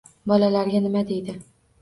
Bolalariga nima deydi